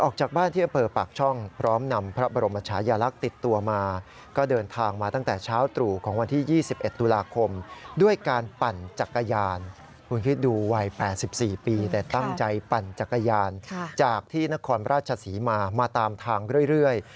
คุณคิดดูวัย๘๔ปีแต่ตั้งใจปั่นจักรยานจากที่นครพระราชสีมามาตามทางเรื่อย